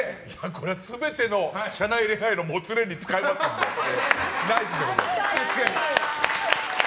これは全ての社内恋愛のもつれに使えますのでナイスでございます。